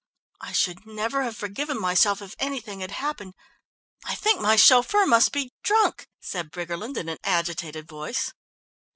"I should never have forgiven myself if anything had happened. I think my chauffeur must be drunk," said Briggerland in an agitated voice.